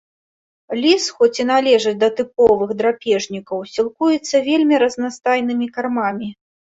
Ліс, хоць і належыць да тыповых драпежнікаў, сілкуецца вельмі разнастайнымі кармамі.